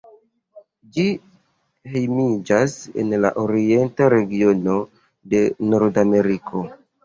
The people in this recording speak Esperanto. Ĝi hejmiĝas en la orienta regiono de Nordameriko.